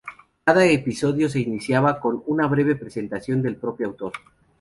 Cada episodio se iniciaba con una breve presentación del propio autor.